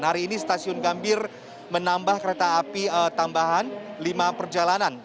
hari ini stasiun gambir menambah kereta api tambahan lima perjalanan